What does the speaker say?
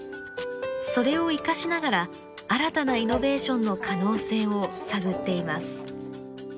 それを生かしながら新たなイノベーションの可能性を探っています。